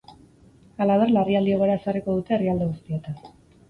Halaber, larrialdi-egoera ezarriko dute herrialde guztian.